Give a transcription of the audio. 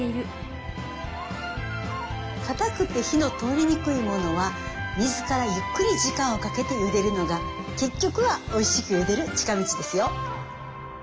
かたくて火の通りにくいものは水からゆっくり時間をかけてゆでるのが結局はおいしくゆでる近道ですよ。